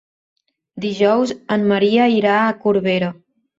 Dijous en Maria irà a Corbera.